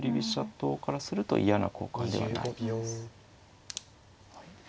党からすると嫌な交換ではないです。